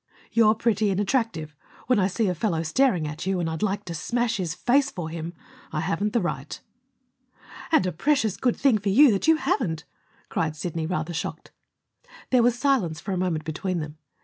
"You're pretty and attractive. When I see a fellow staring at you, and I'd like to smash his face for him, I haven't the right." "And a precious good thing for you that you haven't!" cried Sidney, rather shocked. There was silence for a moment between them.